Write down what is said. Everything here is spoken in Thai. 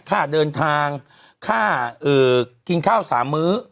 ค่าเดินทางค่ากินข้าว๓มื้อ